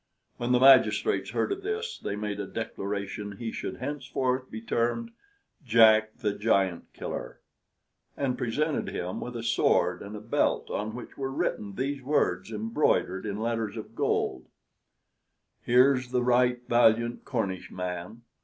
When the magistrates heard of this they made a declaration he should henceforth be termed: JACK THE GIANT KILLER and presented him with a sword and a belt, on which were written these words embroidered in letters of gold: "Here's the right valiant Cornish man.